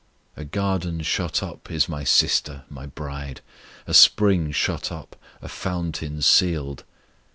A garden shut up is My sister, My bride; A spring shut up, a fountain sealed.